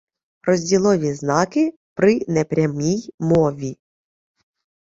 Розділові знаки при непрямій мови